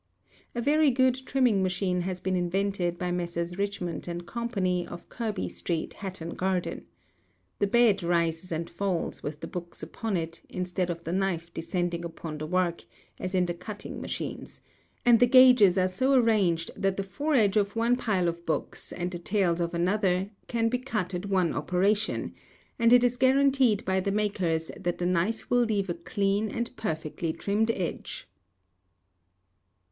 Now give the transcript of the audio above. A very good trimming machine has been invented by Messrs. Richmond and Co., of Kirby Street, Hatton Garden. The bed rises and falls, with the books upon it, instead of the knife descending upon the work, as in the cutting machines; and the gauges are so arranged, that the foredge of one pile of books, and the tails of another, can be cut at one operation, and it is guaranteed by the makers that the knife will leave a clean and perfectly trimmed edge.